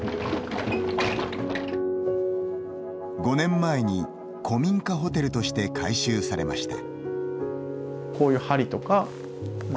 ５年前に古民家ホテルとして改修されました。